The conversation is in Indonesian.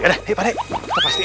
yaudah ya pak d kita pastiin